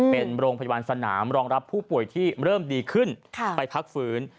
เป็นโรงพยาบาลสนามรองรับผู้ป่วยที่เริ่มดีขึ้นไปพักฟื้น